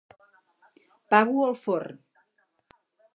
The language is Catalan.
Pago al forn.